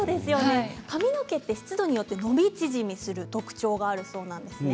髪の毛は湿度によって伸び縮みする特徴があるそうなんです。